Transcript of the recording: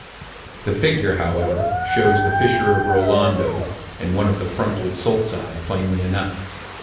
The figure, however (Pl. iv, fig. 3), shews the fissure of Rolando, and one of the frontal sulci plainly enough.